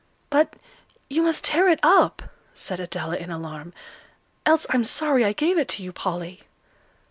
"But, you must tear it up," said Adela, in alarm, "else I'm sorry I gave it to you, Polly."